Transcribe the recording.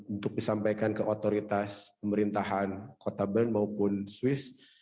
untuk disampaikan ke otoritas pemerintahan kota bern maupun swiss